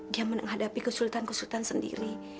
dia menghadapi kesulitan kesulitan sendiri